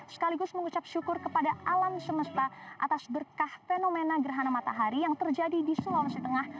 sekaligus mengucap syukur kepada alam semesta atas berkah fenomena gerhana matahari yang terjadi di sulawesi tengah